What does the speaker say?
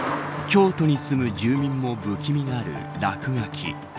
京都に住む住民も不気味がる落書き。